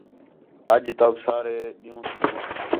اَج تَوک سارے ݙ، ین٘ہوں تی